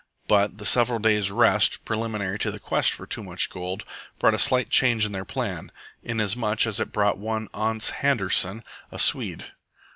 But the several days' rest, preliminary to the quest for Too Much Gold, brought a slight change in their plan, inasmuch as it brought one Ans Handerson, a Swede.